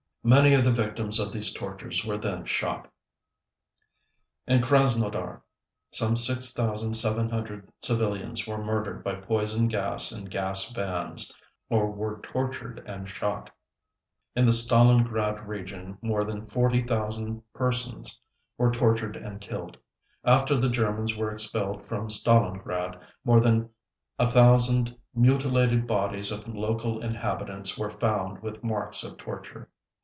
Many of the victims of these tortures were then shot. In Krasnodar some 6,700 civilians were murdered by poison gas in gas vans, or were tortured and shot. In the Stalingrad region more than 40,000 persons were tortured and killed. After the Germans were expelled from Stalingrad, more than a thousand mutilated bodies of local inhabitants were found with marks of torture.